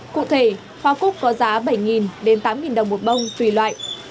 cụ thể hoa cúc có giá bảy đến tám đồng một bông tùy loại